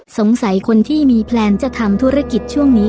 สงสัยคนที่มีแพลนจะทำธุรกิจช่วงนี้